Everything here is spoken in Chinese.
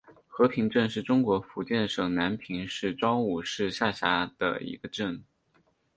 和平镇是中国福建省南平市邵武市下辖的一个镇。